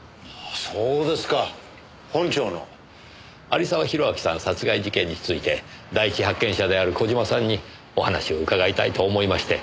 有沢広明さん殺害事件について第一発見者である小島さんにお話を伺いたいと思いまして。